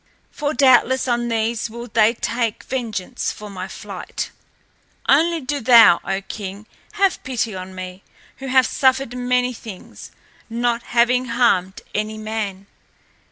For doubtless on these will they take vengeance for my flight. Only do thou, O King, have pity on me, who have suffered many things, not having harmed any man."